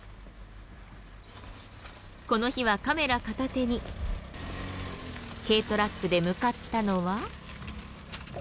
この日はカメラ片手に軽トラックで向かったのは。